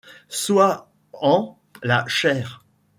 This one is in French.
Sois-en la chair.